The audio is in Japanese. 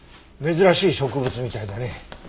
珍しい植物みたいだね。